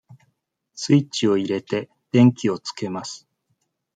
スイッチを入れて、電気をつけます。